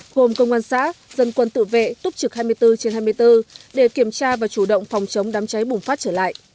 gồm công an xã dân quân tự vệ túc trực hai mươi bốn trên hai mươi bốn để kiểm tra và chủ động phòng chống đám cháy bùng phát trở lại